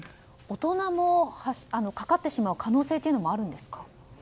大人もかかってしまう可能性というのもあるんですか？